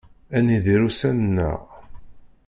Ad nidir ussan-nneɣ.